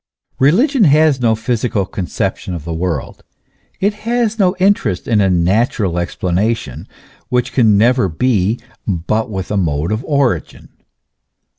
Religion has no physical con ception of the world; it has no interest in a natural expla nation, which can never be given but with a mode of origin.